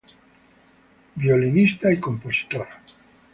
Violinista y compositor.